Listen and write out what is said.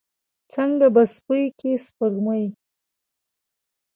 څنګه په سیپۍ کې سپوږمۍ